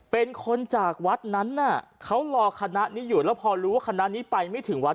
เป็นคนจากวัดนั้นน่ะเขารอคณะนี้อยู่แล้วพอรู้ว่าคณะนี้ไปไม่ถึงวัด